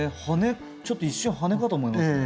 ちょっと一瞬羽かと思いますね。